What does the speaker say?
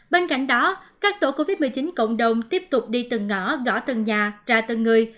bên cạnh đó các tổ covid một mươi chín cộng đồng tiếp tục đi từng ngõ gõ từng nhà ra tầng người